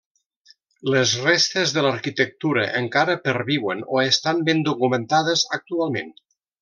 Les restes de l'arquitectura encara perviuen o estan ben documentades actualment.